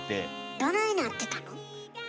どないなってたの？